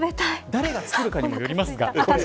誰が作るかにもよりますが。